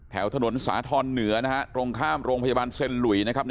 แถวถนนสาธรณ์เหนือนะฮะตรงข้ามโรงพยาบาลเซ็นหลุยนะครับ